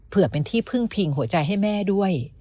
เพื่อเป็นที่พึ่งพิงหัวใจให้แม่ด้วย